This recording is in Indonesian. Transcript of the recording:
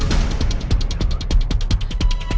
ya udah aku nelfon